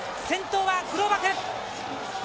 先頭はグローバク。